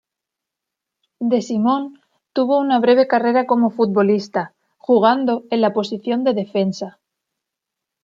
De Simone tuvo una breve carrera como futbolista, jugando en la posición de defensa.